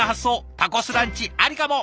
タコスランチありかも！